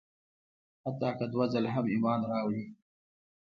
حتی که دوه ځله هم ایمان راوړي.